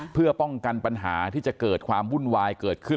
เพื่อป้องกันปัญหาที่จะเกิดความวุ่นวายเกิดขึ้น